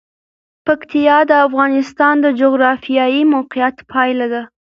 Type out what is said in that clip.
پکتیا د افغانستان د جغرافیایي موقیعت پایله ده.